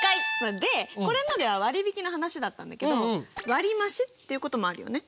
でこれまでは割引の話だったんだけど割増っていうこともあるよね？